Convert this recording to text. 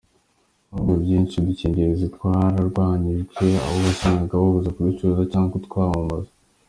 Mu bihugu byinshi udukingirizo twararwanyijwe aho wasangaga babuza kuducuruza cyangwa kutwamamazwa.